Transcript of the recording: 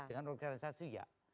dengan organisasi ya